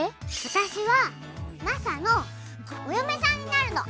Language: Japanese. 私はマサのお嫁さんになるの！